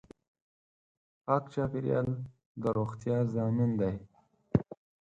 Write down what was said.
پاک چاپېریال د روغتیا ضامن دی.